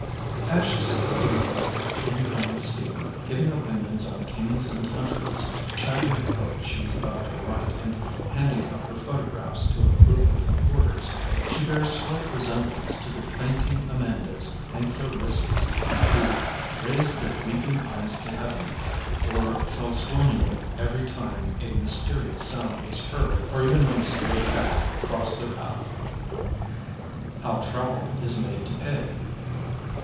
As she sits on the deck of the incoming steamer, giving opinions on kings and countries, chatting of the book she is about to write and handing out her photographs to a group of reporters, she bears slight resemblance to the fainting Amandas and Clarissas who "raised their weeping eyes to heaven," or fell swooning every time a mysterious sound was heard or when even a stray cow crossed their path. HOW TRAVEL IS MADE TO PAY.